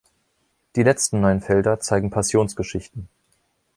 Die letzten neun Felder zeigen Passionsgeschichten.